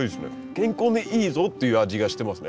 「健康にいいぞ」っていう味がしてますね。